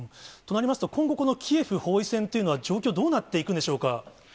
となりますと今後、このキエフ包囲戦というのは、状況、どうなっていくんでしょう